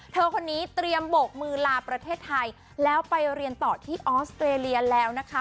คนนี้เตรียมโบกมือลาประเทศไทยแล้วไปเรียนต่อที่ออสเตรเลียแล้วนะคะ